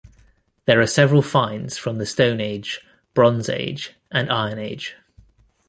There are several finds from the Stone Age, Bronze Age and Iron Age.